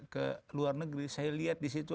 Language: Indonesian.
ke luar negeri saya lihat disitu